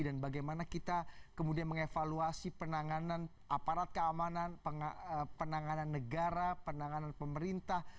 dan bagaimana kita kemudian mengevaluasi penanganan aparat keamanan penanganan negara penanganan pemerintah